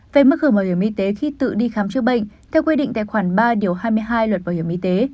về mức hưởng bảo hiểm y tế khi tự đi khám chữa bệnh theo quy định tại khoảng ba hai mươi hai luật bảo hiểm y tế